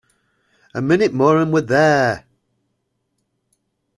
A minute more and we are there.